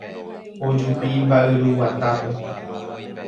Ojupi mba'yruguatápe.